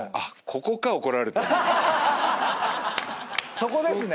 そこですね。